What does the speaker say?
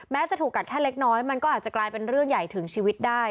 จะถูกกัดแค่เล็กน้อยมันก็อาจจะกลายเป็นเรื่องใหญ่ถึงชีวิตได้